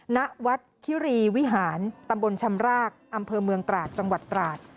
ณวัดคิรีวิหารตำบลชำรากอำเภอเมืองตราดจังหวัดตราด